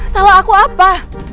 salah aku apa